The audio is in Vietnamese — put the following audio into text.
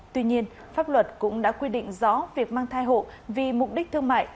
tuy nhiên pháp luật cũng đã quy định rõ việc mang thai hộ vì mục đích thương mại